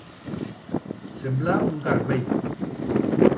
Semblar un garbell.